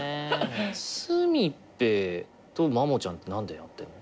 すみぺとまもちゃんって何で会ってんの？